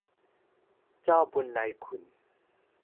เจ้าบุญนายคุณ